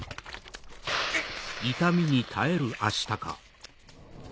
うっ！